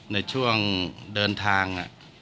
ในช่วงเดินทาง